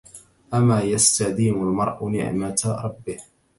أما يستديم المرء نعمة ربه